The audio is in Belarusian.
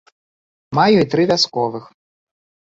Маю і тры вясковых.